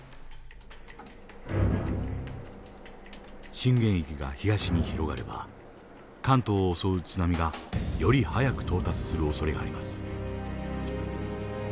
震源域が東に広がれば関東を襲う津波がより早く到達するおそれがあります。